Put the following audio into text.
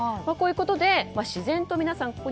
こういうことで自然と皆さん